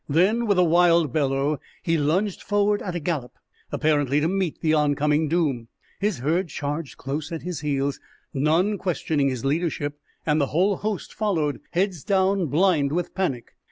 Then, with a wild bellow, he lunged forward at a gallop, apparently to meet the oncoming doom. His herd charged close at his heels, none questioning his leadership, and the whole host followed, heads down, blind with panic.